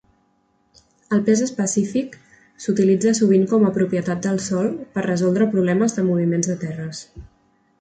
El pes específic s'utilitza sovint com a propietat del sòl per resoldre problemes de moviments de terres.